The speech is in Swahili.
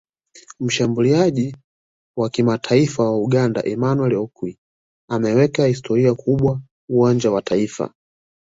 Mshambuliaji wa kimataifa wa Uganda Emmanuel Okwi ameweka historia kubwa uwanja wa taifa